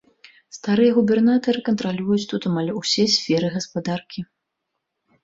Старыя губернатары кантралююць тут амаль усе сферы гаспадаркі.